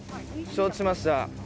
承知しました。